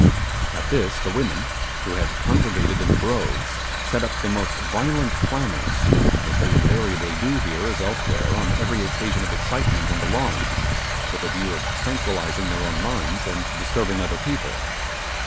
At this the women who had congregated in the groves, set up the most violent clamours, as they invariably do here as elsewhere on every occasion of excitement and alarm, with a view of tranquillizing their own minds and disturbing other people.